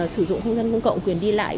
sử dụng không gian công cộng quyền đi lại